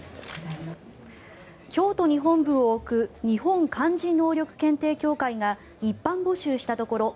京都に本部を置く日本漢字能力検定協会が一般募集したところ